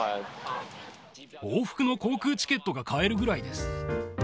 往復の航空チケットが買えるぐらいです。